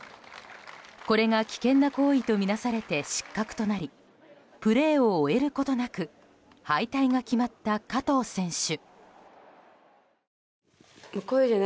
これが危険な行為とみなされて失格となりプレーを終えることなく敗退が決まった加藤選手。